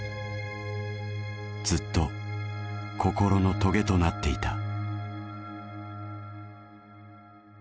ずっと心のトゲとなっていた。